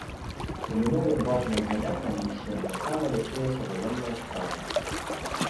У мінулым важным заняткам мужчын таксама лічылася ваенная справа.